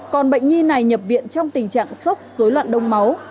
còn bệnh nhi này nhập viện trong tình trạng sốc dối loạn đông máu